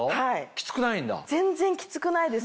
きつくないんだ？